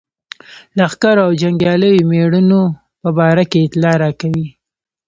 لښکرو او جنګیالیو مېړنو په باره کې اطلاع راکوي.